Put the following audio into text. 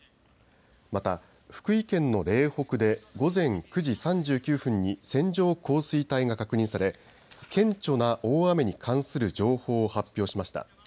また福井県の嶺北で午前９時３９分に線状降水帯が確認され顕著な大雨に関する情報を発表しました。